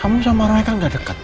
kamu sama mereka gak deket